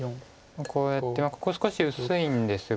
こうやってここ少し薄いんですが。